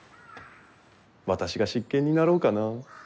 私が執権になろうかなあ。